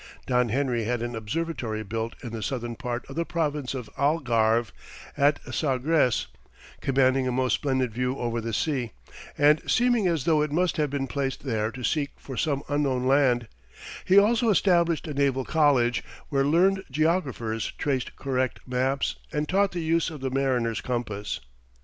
Don Henry had an observatory built in the southern part of the province of Algarve, at Sagres, commanding a most splendid view over the sea, and seeming as though it must have been placed there to seek for some unknown land; he also established a naval college, where learned geographers traced correct maps and taught the use of the mariner's compass.